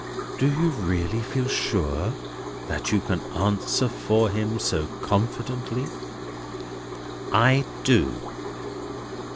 Do you really feel sure that you can answer for him so confidently?" "I do."